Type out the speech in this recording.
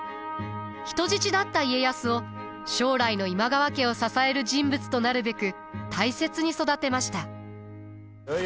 人質だった家康を将来の今川家を支える人物となるべく大切に育てました。